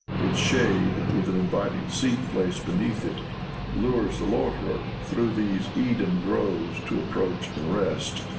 Its shade, with an inviting seat placed beneath it, lures the loiterer, through these Eden groves, to approach and rest.